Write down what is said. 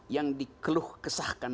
yang dikeluh kesahkan